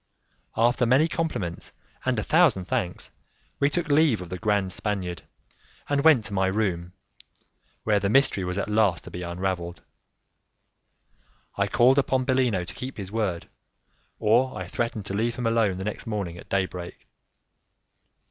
After many compliments and a thousand thanks, we took leave of the grand Spaniard, and went to my room, where the mystery was at last to be unravelled. I called upon Bellino to keep his word, or I threatened to leave him alone the next morning at day break.